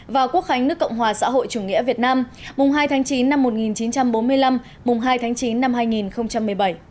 và quốc khánh nước cộng hòa xã hội chủ nghĩa việt nam mùng hai tháng chín năm một nghìn chín trăm bốn mươi năm mùng hai tháng chín năm hai nghìn một mươi bảy